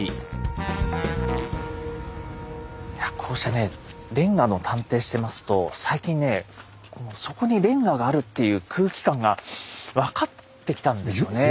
いやこうしてねレンガの探偵してますと最近ねそこにレンガがあるっていう空気感が分かってきたんですよね。